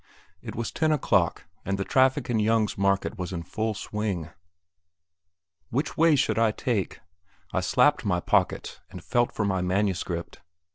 It was ten o'clock, and the traffic in Young's Market was in full swing. Which way should I take? I slapped my pockets and felt for my manuscript.